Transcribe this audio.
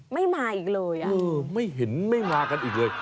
ไม่มาอีกเลยอ่ะเออไม่เห็นไม่มากันอีกเลย